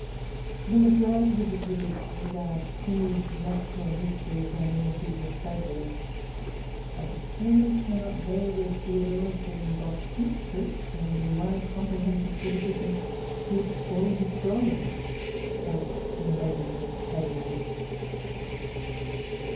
The majority of the critics regard Pliny's Natural History only as a heap of fables; and Pliny cannot bear with Diodorus and Vopiscus; and in one comprehensive criticism, treats all the historians as narrators of fables.